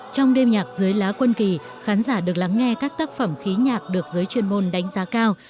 trong đêm nhạc dưới lá quân kỳ khán giả được lắng nghe các tác phẩm khí nhạc được giới chuyên môn đánh giá cao